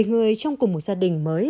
bảy người trong cùng một gia đình mới